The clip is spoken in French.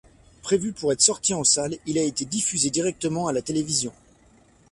Prévu pour être sorti en salles, il a été diffusé directement à la télévision.